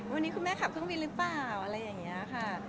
วันนี้คุณแม่ขับเครื่องบินหรือเปล่าอะไรอย่างนี้ค่ะ